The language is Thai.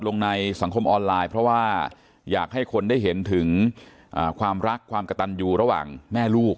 ลงในสังคมออนไลน์เพราะว่าอยากให้คนได้เห็นถึงความรักความกระตันอยู่ระหว่างแม่ลูก